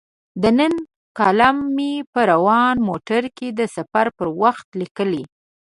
د نن کالم مې په روان موټر کې د سفر پر وخت لیکلی.